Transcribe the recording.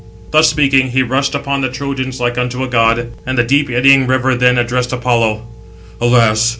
Thus speaking, he rushed upon the Trojans like unto a god; and the deep eddying River then addressed Apollo: "Alas!